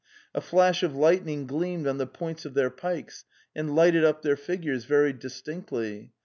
A flash of lightning gleamed on the points of their pikes and lighted up their figures very distinctly.